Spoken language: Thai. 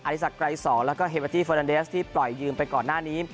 อธิษฐกรรมอีก๒แล้วก็เหตุผลที่เฟอร์นเดรสที่ปล่อยยืมไปก่อนหน้านี้